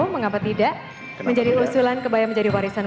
mengapa tidak menjadi usulan kebaya menjadi warisan